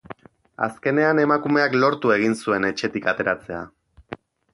Azkenean emakumeak lortu egin zuen etxetik ateratzea.